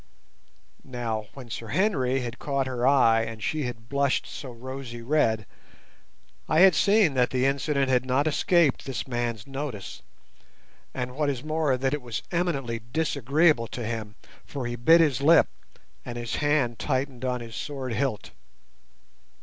Now when Sir Henry had caught her eye and she had blushed so rosy red, I had seen that the incident had not escaped this man's notice, and, what is more, that it was eminently disagreeable to him, for he bit his lip and his hand tightened on his sword hilt.